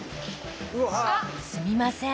すみません。